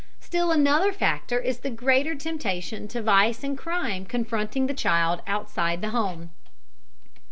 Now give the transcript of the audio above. Still another factor is the greater temptation to vice and crime confronting the child outside the home.